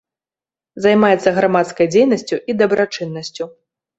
Займаецца грамадскай дзейнасцю і дабрачыннасцю.